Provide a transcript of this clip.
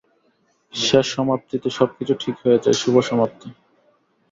শেষ সমাপ্তি তে, সব কিছু ঠিক হয়ে জায়, শুভ সমাপ্তী।